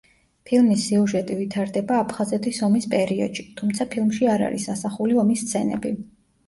ფილმის სიუჟეტი ვითარდება აფხაზეთის ომის პერიოდში, თუმცა ფილმში არ არის ასახული ომის სცენები.